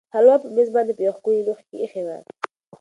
هلوا په مېز باندې په یوه ښکلي لوښي کې ایښې وه.